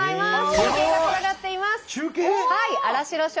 中継がつながっています。